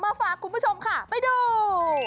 ฝากคุณผู้ชมค่ะไปดู